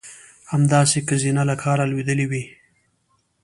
همداسې که زینه له کاره لوېدلې وای.